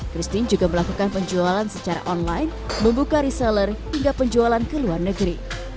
christine juga melakukan penjualan secara online membuka reseller hingga penjualan ke luar negeri